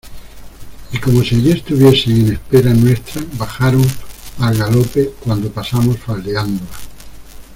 y como si allí estuviesen en espera nuestra, bajaron al galope cuando pasamos faldeándola.